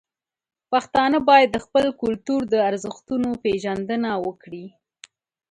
پښتانه باید د خپل کلتور د ارزښتونو پیژندنه وکړي.